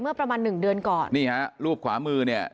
ประมาณหนึ่งเดือนก่อนนี่ฮะรูปขวามือเนี่ย